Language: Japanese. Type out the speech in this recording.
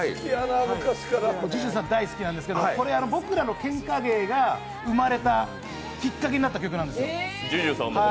ＪＵＪＵさん大好きなんですけどこれ、僕らのけんか芸が生まれたきっかけになった曲なんですよ。